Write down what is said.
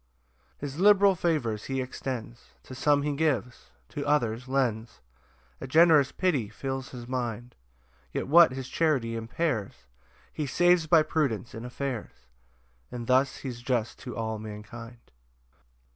2 His liberal favours he extends, To some he gives, to others lends; A generous pity fills his mind: Yet what his charity impairs He saves by prudence in affairs, And thus he's just to all mankind.